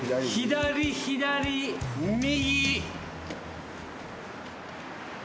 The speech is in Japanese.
左左右。